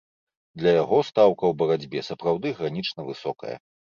Для яго стаўка ў барацьбе сапраўды гранічна высокая.